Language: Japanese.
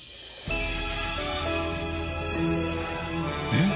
えっ？